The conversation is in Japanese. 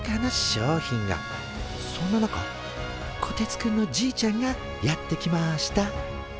そんな中こてつくんのじいちゃんがやって来ました！